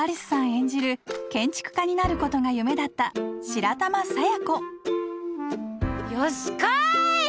演じる建築家になることが夢だった白玉佐弥子よしこーい！